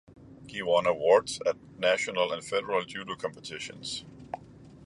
He won awards at national and federal judo competitions.